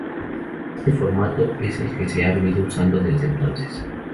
Este formato es el que se ha venido usando desde entonces.